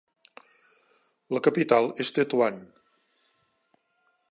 La capital és Tetuan.